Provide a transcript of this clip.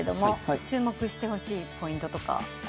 注目してほしいポイントとかありますか？